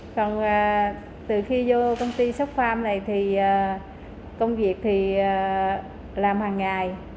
còn từ khi vô công ty shop farm này thì công việc thì làm hàng ngày